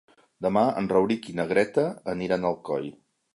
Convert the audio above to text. Demà en Rauric i na Greta aniran a Alcoi.